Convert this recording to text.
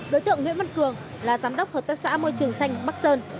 đối tượng nguyễn văn cường là giám đốc hợp tác xã môi trường xanh bắc sơn